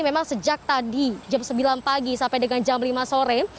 memang sejak tadi jam sembilan pagi sampai dengan jam lima sore